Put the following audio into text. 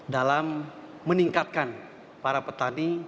dalam meningkatkan para petani